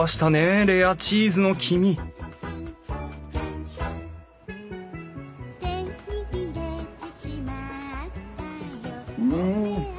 レアチーズの君うん！